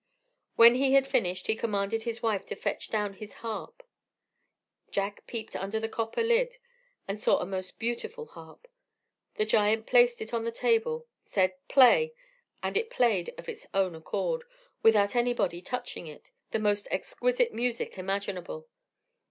When he had finished, he commanded his wife to fetch down his harp. Jack peeped under the copper lid, and saw a most beautiful harp. The giant placed it on the table, said "Play!" and it played of its own accord, without anybody touching it, the most exquisite music imaginable.